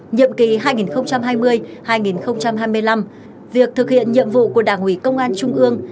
nhiệm kỳ hai nghìn hai mươi hai nghìn hai mươi năm việc thực hiện nhiệm vụ của đảng ủy công an trung ương